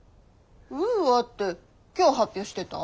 ウーアって今日発表してた。